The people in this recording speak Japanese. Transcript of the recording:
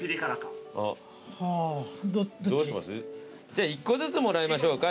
じゃあ１個ずつもらいましょうか。